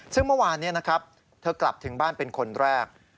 ซึ่งเมื่อวานนี้นะครับเธอกลับถึงบ้านเป็นคนแรก